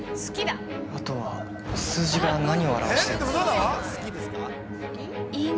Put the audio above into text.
◆あとは数字が何を表わしてるかだな。